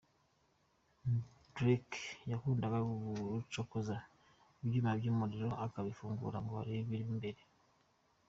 Derek : Yakundaga gucokoza ibyuma by’umuriro, akabifungura ngo arebe ibirimo imbere.